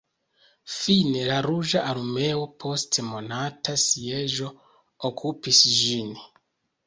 Fine la Ruĝa Armeo post monata sieĝo okupis ĝin.